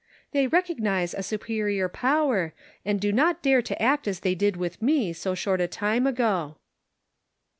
" They recognize a superior power, and do not dare to act as they did with me so short a time ago."